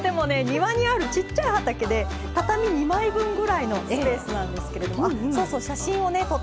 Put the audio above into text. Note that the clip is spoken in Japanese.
庭にあるちっちゃい畑で畳２枚分ぐらいのスペースなんですけれどもあそうそう写真をね撮ってきました。